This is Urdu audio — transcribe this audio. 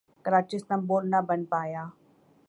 کراچی استنبول نہ بن پایا